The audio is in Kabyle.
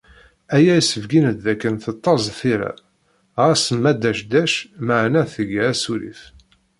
Aya isbeyyin-d dakken tettaẓ tira, ɣas ma ddac ddac, meεna tga asurif.